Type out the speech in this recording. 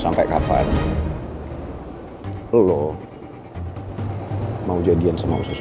sampai kapan lo mau jadian sama usus gue